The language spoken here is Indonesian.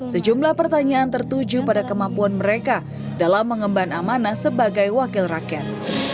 sejumlah pertanyaan tertuju pada kemampuan mereka dalam mengemban amanah sebagai wakil rakyat